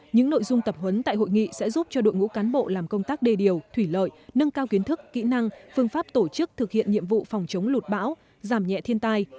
những nội dung tập huấn tại hội nghị sẽ giúp cho đội ngũ cán bộ làm công tác đề điều thủy lợi nâng cao kiến thức kỹ năng phương pháp tổ chức thực hiện nhiệm vụ phòng chống lụt bão giảm nhẹ thiên tai